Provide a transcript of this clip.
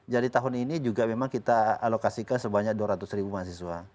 jadi tahun ini juga memang kita alokasikan sebanyak dua ratus ribu mahasiswa